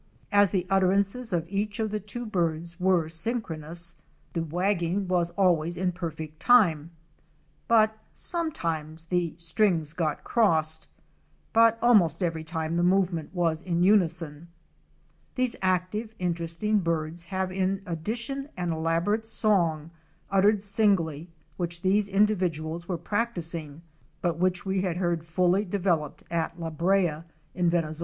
As the utterances of each of the two birds were synchron ous, the wagging was always in perfect time, but sometimes the 'strings' got crossed with this effect (a); or this (b); yo VN WY but almost every time the movement was in unison thus (c); or thus (d). These active, interesting birds have in addition an elaborate song, uttered singly, which these individuals were practising but which we had heard fully developed at La Brea in Venezuela.